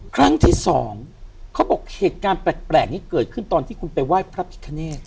ครั้งที่สองเขาบอกเหตุการณ์แปลกนี้เกิดขึ้นตอนที่คุณไปไหว้พระพิคเนต